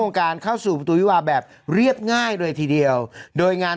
การเข้าสู่ประตูวิวาแบบเรียบง่ายเลยทีเดียวโดยงาน